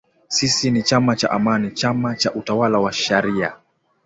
Sisi ni chama cha Amani, chama cha utawala wa sharia